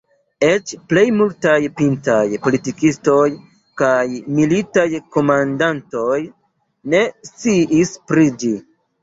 Eĉ plej multaj pintaj politikistoj kaj militaj komandantoj ne sciis pri ĝi.